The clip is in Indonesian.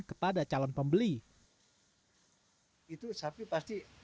kepada calon pembeli